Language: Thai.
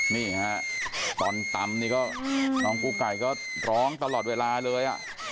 นี่ฮะตอนตำนี่ก็น้องกู้ไก่ก็ร้องตลอดเวลาเลย